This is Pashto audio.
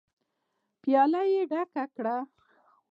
پياله يې ډکه کړه.